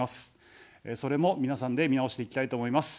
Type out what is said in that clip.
それも皆さんで見直していきたいと思います。